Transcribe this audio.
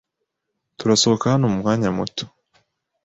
Turasohoka hano mumwanya muto.